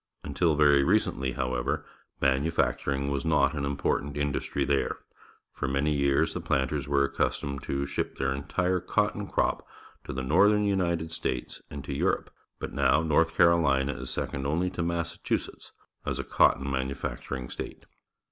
Until very recently, however, manufacturing was not an important industry there. For many years the planters were accustomed to ship their entire cotton crop to the northern United States and to Europe, but now North Carolina is second only to Massachusetts as a cotton manufacturing state.